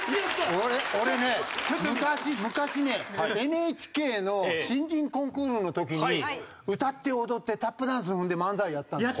俺ね昔ねＮＨＫの新人コンクールの時に歌って踊ってタップダンス踏んで漫才やったんですよ。